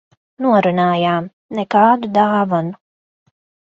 Norunājām - nekādu dāvanu.